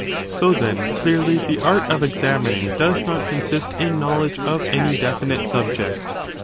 So then clearly the art of examining does not consist in knowledge of any definite subject.